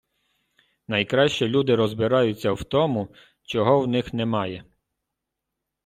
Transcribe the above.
Найкраще люди розбираються в тому, чого в них немає.